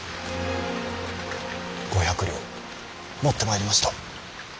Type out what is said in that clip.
５００両持ってまいりました。